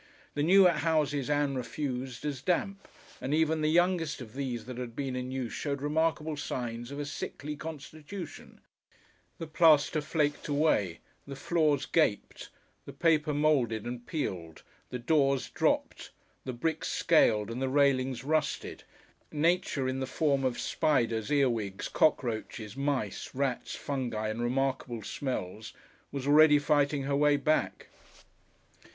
The new houses Ann refused as damp, and even the youngest of these that had been in use showed remarkable signs of a sickly constitution, the plaster flaked away, the floors gaped, the paper mouldered and peeled, the doors dropped, the bricks scaled and the railings rusted, Nature in the form of spiders, earwigs, cockroaches, mice, rats, fungi and remarkable smells, was already fighting her way back....